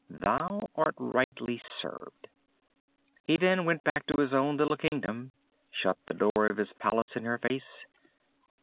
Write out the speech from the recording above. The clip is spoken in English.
Thou art rightly served." He then went back to his own little kingdom, and shut the door of his palace in her face.